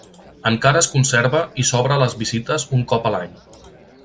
Encara es conserva i s'obre a les visites un cop a l'any.